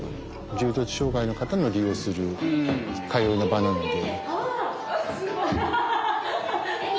重度障害の方の利用するかような場なので。